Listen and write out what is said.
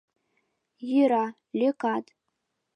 Йӧра, лӧкат...